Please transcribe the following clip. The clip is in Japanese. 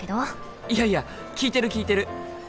いやいや聞いてる聞いてる。